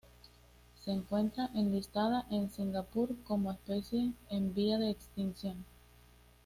Se encuentra enlistada en Singapur como especie en vía de extinción.